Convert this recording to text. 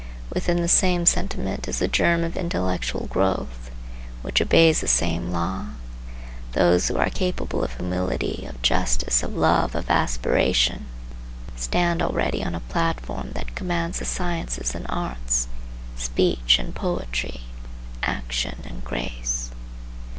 Within the same sentiment is the germ of intellectual growth, which obeys the same law. Those who are capable of humility, of justice, of love, of aspiration, stand already on a platform that commands the sciences and arts, speech and poetry, action and grace.